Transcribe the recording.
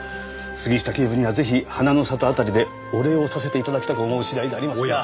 杉下警部にはぜひ花の里あたりでお礼をさせて頂きたく思う次第でありますが。